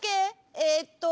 えっと。